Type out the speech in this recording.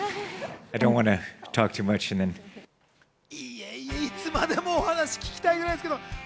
いつまでもお話、聞きたいぐらいです。